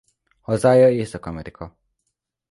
Hazája Észak-Amerika.